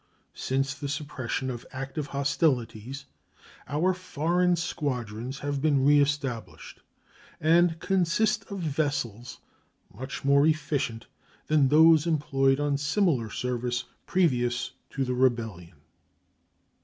Since the suppression of active hostilities our foreign squadrons have been reestablished, and consist of vessels much more efficient than those employed on similar service previous to the rebellion.